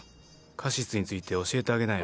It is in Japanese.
カシスについて教えてあげなよ。